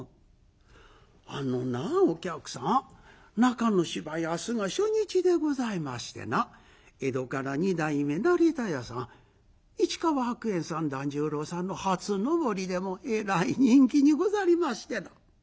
「あのなあお客さん中の芝居明日が初日でございましてな江戸から二代目成田屋さん市川白猿さん團十郎さんの初上りでえらい人気にござりましてな」。